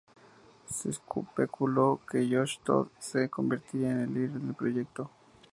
Se especuló que Josh Todd se convertiría en el líder del proyecto.